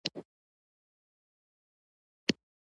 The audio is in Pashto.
په بېړه یې د ولایت مېلمستون وغوښت.